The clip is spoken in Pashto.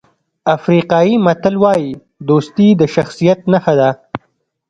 افریقایي متل وایي دوستي د شخصیت نښه ده.